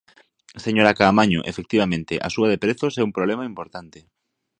Señora Caamaño, efectivamente, a suba de prezos é un problema importante.